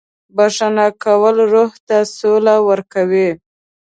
• بښنه کول روح ته سوله ورکوي.